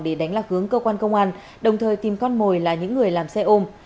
để đánh lạc hướng cơ quan công an đồng thời tìm con mồi là những người làm xe ôm